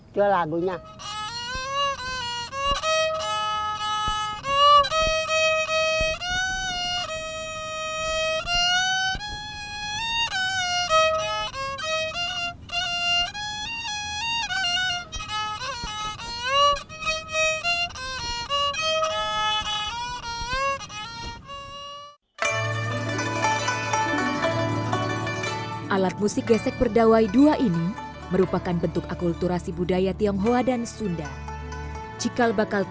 jatuh ke indonesia